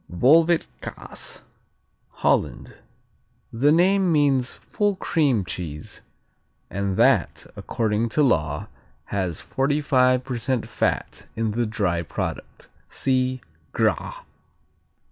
Volvet Kaas Holland The name means "full cream" cheese and that according to law has 45% fat in the dry product (See Gras.)